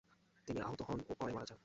তিনি আহত হন ও পরে মারা যান।